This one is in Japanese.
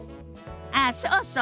ああそうそう。